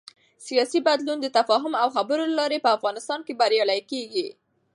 سیاسي بدلون د تفاهم او خبرو له لارې په افغانستان کې بریالی کېږي